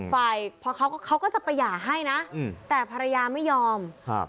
ฝ่ายพอเขาก็จะไปหย่าให้นะแต่ภรรยาไม่ยอมครับ